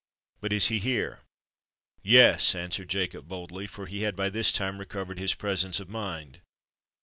But is he here?" "Yes," answered Jacob boldly—for he had by this time recovered his presence of mind.